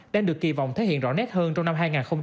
đang được kỳ vọng thể hiện rõ nét hơn trong năm hai nghìn hai mươi